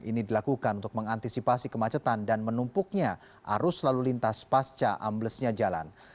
ini dilakukan untuk mengantisipasi kemacetan dan menumpuknya arus lalu lintas pasca amblesnya jalan